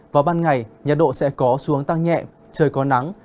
vào ban ngày nhiệt độ sẽ có xuống tăng nhẹ trời có nắng